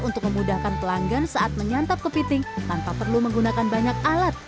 untuk memudahkan pelanggan saat menyantap kepiting tanpa perlu menggunakan banyak alat